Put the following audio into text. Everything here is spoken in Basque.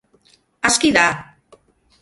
Aski da!